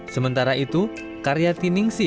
sementara itu karya tiningsih